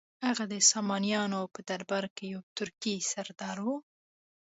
هغه د سامانیانو په درباره کې یو ترکي سردار و.